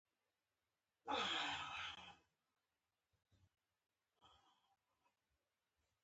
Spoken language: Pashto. احمد یو مهربانه او خواخوږی ملګری